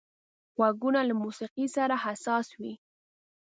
غوږونه له موسيقي سره حساس وي